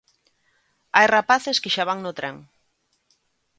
Hai rapaces que xa van no tren.